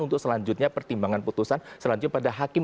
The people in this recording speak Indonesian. untuk selanjutnya pertimbangan putusan selanjutnya pada hakim